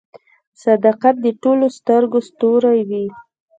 • صداقت د ټولو د سترګو ستوری وي.